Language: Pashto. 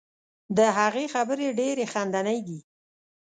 د هغې خبرې ډیرې خندنۍ دي.